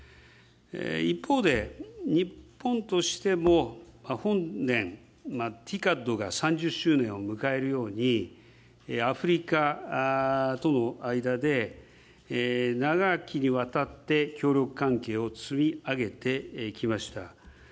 一方で、日本としても本年ＴＩＣＡＤが３０周年を迎えるように、アフリカとの間で、長きにわたって協力関係を積み上げてきました。